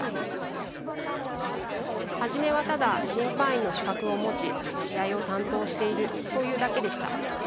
初めはただ審判員の資格を持ち試合を担当しているというだけでした。